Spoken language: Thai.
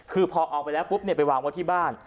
คือพอเอาไปแล้วปุ๊บไปวางไว้ที่บ้าน